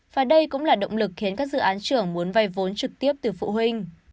và đây cũng là động lực khiến các dự án trưởng muốn vay vốn trực tiếp từ phụ huynh